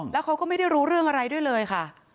แล้วเขาก็ไม่ได้รู้เรื่องอะไรด้วยเลยค่ะ